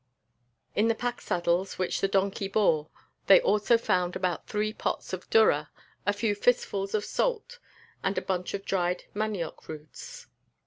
In the pack saddles, which the donkey bore, they also found about three pots of durra, a few fistfuls of salt, and a bunch of dried manioc roots.